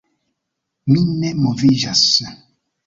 Mi ne moviĝas.